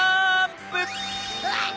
うわっ！